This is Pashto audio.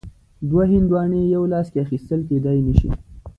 دوه هندواڼې یو لاس کې اخیستل کیدای نه شي.